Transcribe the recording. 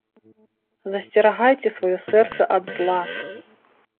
Засцерагайце сваё сэрца ад зла.